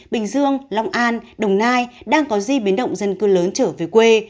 bình dương long an đồng nai đang có di biến động dân cư lớn trở về quê